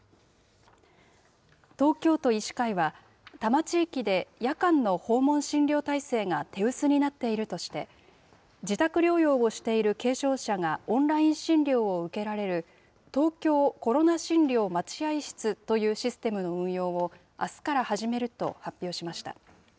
東京都医師会は、多摩地域で夜間の訪問診療体制が手薄になっているとして、自宅療養をしている軽症者がオンライン診療を受けられる、東京コロナ診療待合室というシステムの運用をあすから始めることを発表しました。